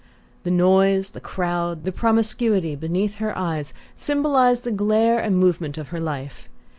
The noise, the crowd, the promiscuity beneath her eyes symbolized the glare and movement of her life.